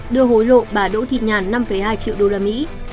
đưa hối lộ bà đỗ thịt nhàn năm hai triệu usd